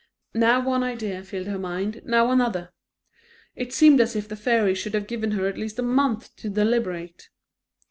Now one idea filled her mind, now another; it seemed as if the fairy should have given her at least a month to deliberate.